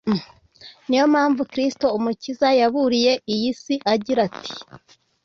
Ni yo mpamvu Kristo Umukiza yaburiye iyi si agira ati,